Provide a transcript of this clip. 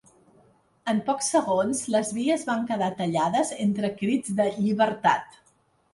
En pocs segons les vies van quedar tallades entre crits de ‘llibertat’.